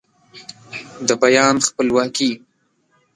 د بیان خپلواکي